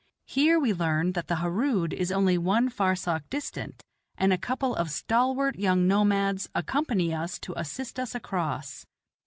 Here we learn that the Harood is only one farsakh distant, and a couple of stalwart young nomads accompany us to assist us across.